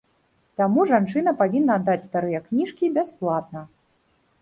Таму жанчына павінна аддаць старыя кніжкі бясплатна.